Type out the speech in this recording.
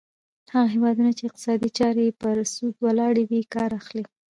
هغه هیوادونه چې اقتصادي چارې یې پر سود ولاړې وي کار اخلي.